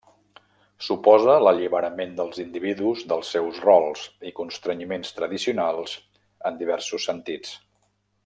Suposa l'alliberament dels individus dels seus rols i constrenyiments tradicionals en diversos sentits.